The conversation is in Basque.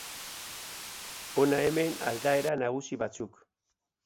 Hona hemen aldaera nagusi batzuk.